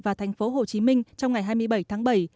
và thành phố hồ chí minh trong ngày hai mươi bảy tháng bảy